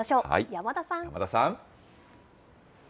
山田さん。